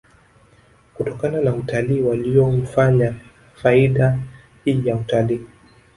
kutokana na utalii waliyoufanya faida hii ya utalii